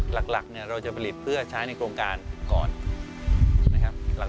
หลักเราจะผลิตเพื่อใช้ในโครงการก่อน